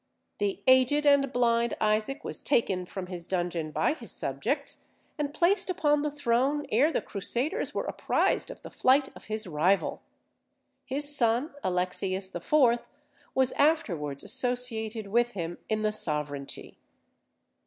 The aged and blind Isaac was taken from his dungeon by his subjects, and placed upon the throne ere the Crusaders were apprised of the flight of his rival. His son Alexius IV. was afterwards associated with him in the sovereignty.